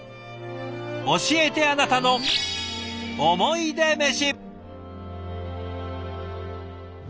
教えてあなたの「おもいでメシ」。